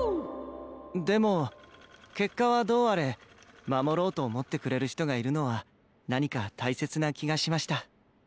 でも結果はどうあれ守ろうと思ってくれる人がいるのは何か大切な気がしました。